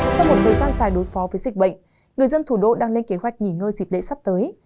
sau một thời gian dài đối phó với dịch bệnh người dân thủ đô đang lên kế hoạch nghỉ ngơi dịp lễ sắp tới